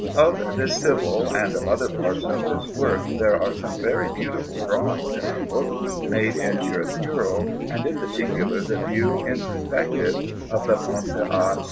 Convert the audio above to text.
Of this Sibyl and of other parts of this work there are some very beautiful drawings in our book, made in chiaroscuro, and in particular the view in perspective of the Ponte a S.